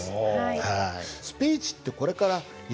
はい。